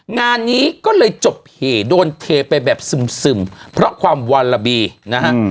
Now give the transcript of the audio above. งานนี้ก็เลยจบเหโดนเทไปแบบซึมเพราะความวาระบีนะฮะ